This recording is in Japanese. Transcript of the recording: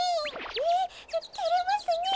えってれますねえ。